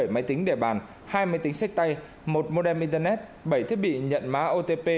ba mươi bảy máy tính đề bàn hai máy tính xách tay một modem internet bảy thiết bị nhận má otp